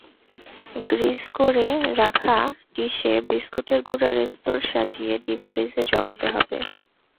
Grease করে রাখা ডিশে বিস্কুটের গুঁড়ার স্তর সাজিয়ে ডিপ ফ্রিজে জমাতে হবে।